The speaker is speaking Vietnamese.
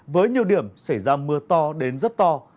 với nhiều điểm xảy ra mưa to đến rất to